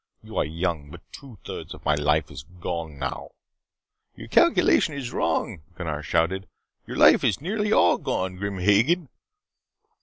You are young, but two thirds of my life is gone now " "Your calculation is wrong," Gunnar shouted. "You life is nearly all gone, Grim Hagen."